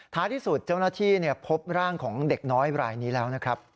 ที่สุดเจ้าหน้าที่พบร่างของเด็กน้อยรายนี้แล้วนะครับ